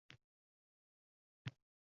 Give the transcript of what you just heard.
Sumalakka tayorgarlik boshlanadi...